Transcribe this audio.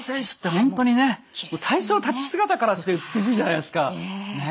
本当にね最初の立ち姿からして美しいじゃないですか。ね？